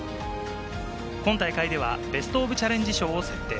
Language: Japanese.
今大会では、ベスト・オブ・チャレンジ賞を設定。